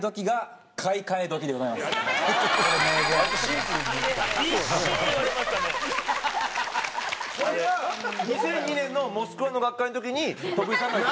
「これ名言」これが２００２年のモスクワの学会の時に徳井さんが言った。